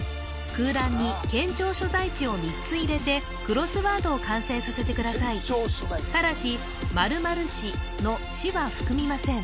空欄に県庁所在地を３つ入れてクロスワードを完成させてくださいただし○○市の「市」は含みません